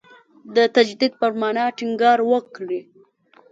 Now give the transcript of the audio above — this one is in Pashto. د تجدید پر معنا ټینګار وکړي.